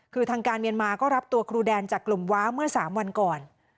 คือทางการเมียนมาก็รับตัวครูแดนจากกลุ่มว้าเมื่อ๓วันก่อน